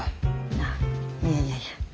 あいやいやいやいや。